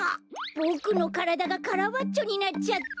ボクのからだがカラバッチョになっちゃった。